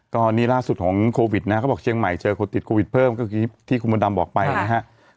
ตอนนี้ล่าสุดของโควิดนะครับเชียงใหม่เจอคนติดโควิดเพิ่มก็คือที่คุณบนดำบอกไปนะครับ